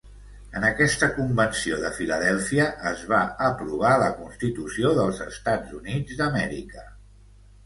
En aquesta convenció de Filadèlfia es va aprovar la Constitució dels Estats Units d'Amèrica.